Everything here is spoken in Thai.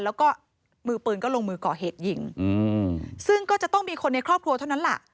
แล้วก็มือปืนก็ลงมือก่อเหตุยิงซึ่งก็จะต้องมีคนในครอบครัวเท่านั้นแหละ